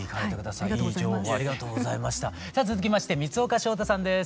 さあ続きまして三丘翔太さんです。